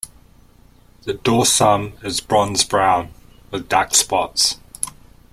The dorsum is bronze brown, with dark spots.